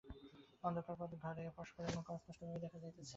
অন্ধকার ঘরে পরস্পরের মুখ অস্পষ্টভাবে দেখা যাইতেছে।